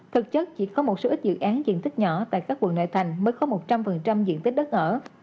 thực chất chỉ có một số ít dự án diện tích nhỏ tại các quận nội thành mới có một trăm linh diện tích đất ở